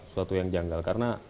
suatu yang janggal karena